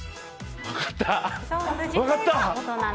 分かった、分かった！